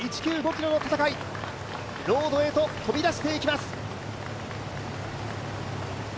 ｋｍの戦い、ロードへと飛び出していきます。